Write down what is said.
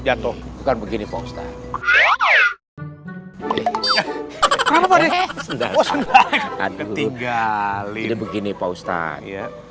jatuh bukan begini pak ustadz kenapa pade oh sudah ketinggalin begini pak ustadz